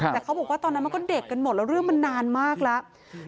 แต่เขาบอกว่าตอนนั้นมันก็เด็กกันหมดแล้วเรื่องมันนานมากแล้ว